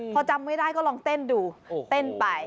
พอจำไม่ได้ก็ลองเต้นดูเต้นไป